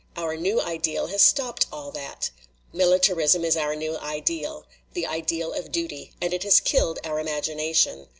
Our new ideal has stopped all that. Militarism is our new ideal the ideal of Duty and it has killed our imagina tion.